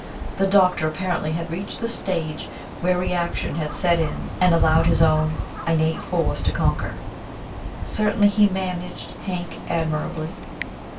The doctor, apparently, had reached the stage where reaction had set in and allowed his own innate force to conquer. Certainly he "managed" Hank admirably.